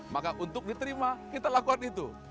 maka untuk diterima kita lakukan itu